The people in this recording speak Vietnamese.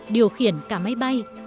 điều khiển cả máy bay